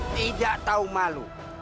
tidak tahu malu